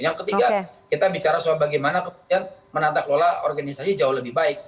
yang ketiga kita bicara soal bagaimana kemudian menata kelola organisasi jauh lebih baik